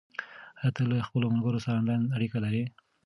آیا ته له خپلو ملګرو سره آنلاین اړیکه لرې؟